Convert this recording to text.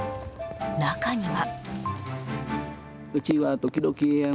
中には。